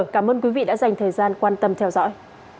cảm ơn quý vị đã dành thời gian quan tâm theo dõi